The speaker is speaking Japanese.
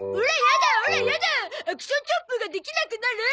アクションチョップができなくなる！